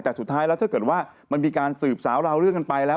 แต่สุดท้ายแล้วถ้าเกิดว่ามันมีการสืบสาวราวเรื่องกันไปแล้ว